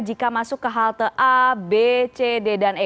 jika masuk ke halte a b c d dan e